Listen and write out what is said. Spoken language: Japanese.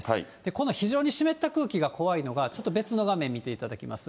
この非常に湿った空気が怖いのが、ちょっと別の画面見ていただきます。